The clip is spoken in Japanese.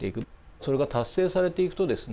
それが達成されていくとですね